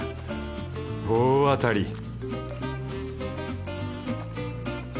大当たり